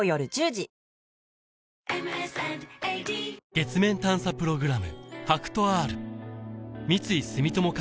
月面探査プログラム